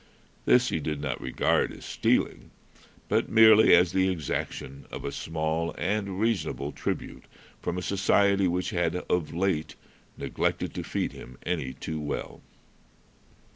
This he did not regard as stealing, but merely as the exaction of a small and reasonable tribute from a Society which had of late neglected to feed him any too well.